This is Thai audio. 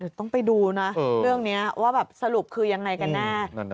ต้องไปดูนะเรื่องนี้ว่าแบบสรุปคือยังไงกันแน่